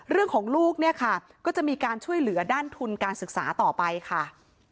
ลูกเนี่ยค่ะก็จะมีการช่วยเหลือด้านทุนการศึกษาต่อไปค่ะ